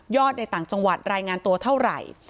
ในต่างจังหวัดรายงานตัวเท่าไหร่